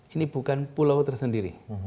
ini bukan pulau tersendiri